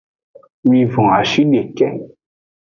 Wivon-ashideke.